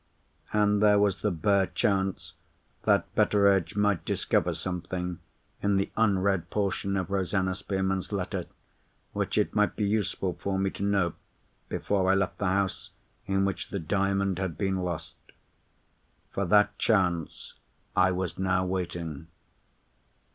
And there was the bare chance that Betteredge might discover something in the unread portion of Rosanna Spearman's letter, which it might be useful for me to know before I left the house in which the Diamond had been lost. For that chance I was now waiting.